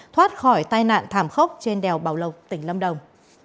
thoát khỏi tai nạn thảm khốc trên đèo bảo lộc tỉnh lâm đồng